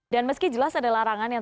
dan meski jelas ada larangan yang